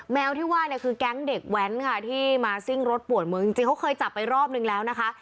แมวที่ว่าเนี่ยคือแก๊งเด็กแว้นค่ะที่มาซิ่งรถปวดเมืองจริงเขาเคยจับไปรอบนึงแล้วนะคะ